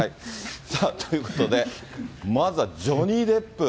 さあ、ということで、まずはジョニー・デップ。